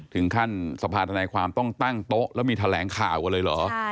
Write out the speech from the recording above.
ถึงขั้นสภาธนายความต้องตั้งโต๊ะแล้วมีแถลงข่าวกันเลยเหรอ